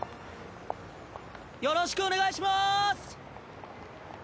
よろしくお願いします！